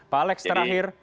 pak alex terakhir